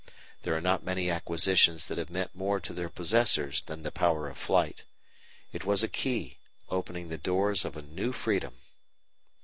There are not many acquisitions that have meant more to their possessors than the power of flight. It was a key opening the doors of a new freedom.